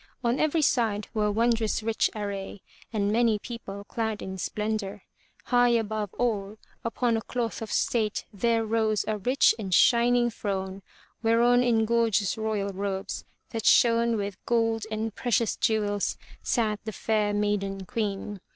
On every side were wondrous rich array and many people clad in splendor. High above all upon a cloth of state there rose a rich and shining throne, whereon in gorgeous royal robes that shone with gold and precious jewels, sat the fair maiden queen.